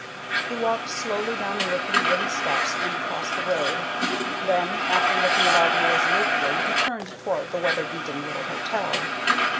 He walked slowly down the rickety wooden steps and across the road; then, after looking about irresolutely, he turned toward the weather beaten little hotel.